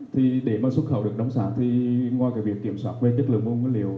thì để mà xuất khẩu được đóng sản thì ngoài cái việc kiểm soát về chất lượng nguồn nguyên liệu